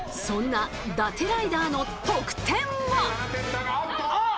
そんな伊達ライダーの得点は。